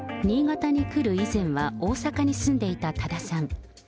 新潟に来る以前は大阪に住んでいた多田さん。